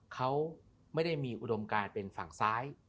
เขาไม่ได้มีอุดมการเป็นฝั่งซ้าย